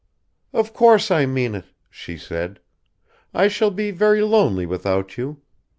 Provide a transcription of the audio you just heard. "Of course I mean it," she said. "I shall be very lonely without you.